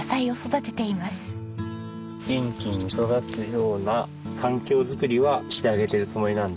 元気に育つような環境づくりはしてあげてるつもりなんで。